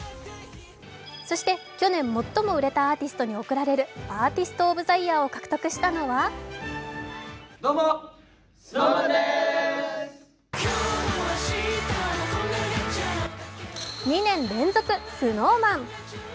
そして去年最も売れたアーティストに贈られるアーティスト・オブ・ザ・イヤーを獲得したのは２年連続、ＳｎｏｗＭａｎ。